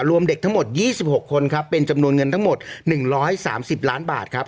รวมเด็กทั้งหมด๒๖คนครับเป็นจำนวนเงินทั้งหมด๑๓๐ล้านบาทครับ